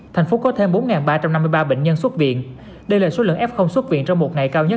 thành phố có thêm bốn ba trăm năm mươi ba bệnh nhân xuất viện đây là số lượng f xuất viện trong một ngày cao nhất